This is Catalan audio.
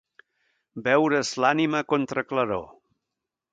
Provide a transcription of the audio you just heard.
Veure's l'ànima a contraclaror.